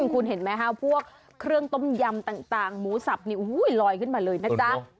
คุณเห็นไหมคะพวกเครื่องต้มยำต่างหมูสับนี่ลอยขึ้นมาเลยนะจ๊ะ